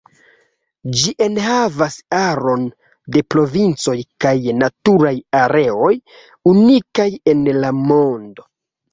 Ĝi enhavas aron de provincoj kaj naturaj areoj unikaj en la mondo.